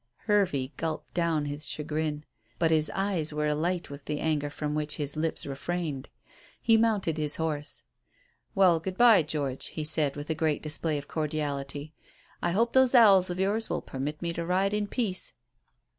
Hervey gulped down his chagrin; but his eyes were alight with the anger from which his lips refrained. He mounted his horse. "Well, good bye, George," he said, with a great display of cordiality. "I hope those owls of yours will permit me to ride in peace."